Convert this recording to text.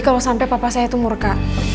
kalau sampai papa saya itu murka